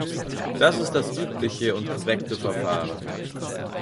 Das ist das übliche und korrekte Verfahren.